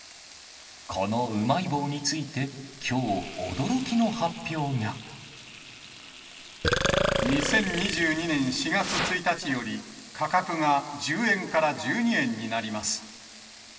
このうまい棒について、きょう、２０２２年４月１日より価格が１０円から１２円になります。